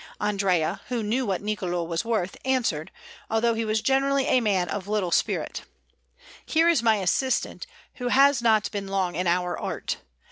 Andrea, who knew what Niccolò was worth, answered, although he was generally a man of little spirit, "Here is my assistant, who has not been long in our art.